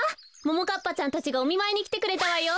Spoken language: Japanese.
ももかっぱちゃんたちがおみまいにきてくれたわよ。